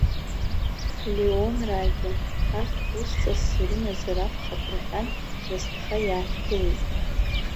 Леонраагьы, арҭ ус ҵасс ирымазар акәхап рҳәан, насҭха иааҭгылеит.